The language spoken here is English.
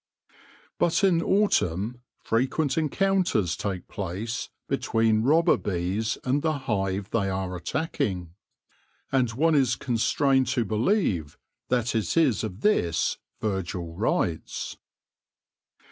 But in autumn frequent encounters take place between robber bees and the hive they are attacking, G 174 THE LORE OF THE HONEY BEE and one is constrained to believe that it is of this Virgil writes.